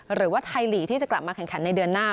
หรือว่าไทยลีกที่จะกลับมาแข่งขันในเดือนหน้า